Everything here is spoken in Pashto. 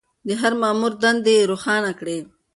د هر مامور دندې يې روښانه کړې.